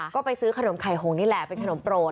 ก็ไปซื้อขนมไข่หงนี่แหละเป็นขนมโปรด